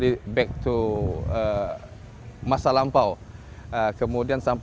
di pulau penyengat